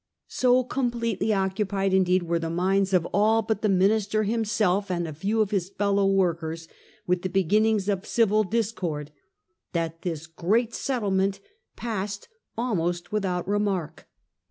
So completely occupied indeed were the minds of all but the minister himself and a few of his fellow workers with the beginnings of civil discord, that this great settlement passed almost without remark.